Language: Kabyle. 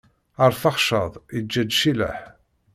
Arfaxcad iǧǧa-d Cilaḥ.